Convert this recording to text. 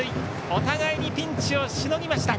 お互いにピンチをしのぎました。